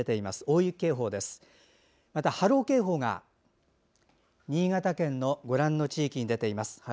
また波浪警報が新潟県のご覧の地域に出ています。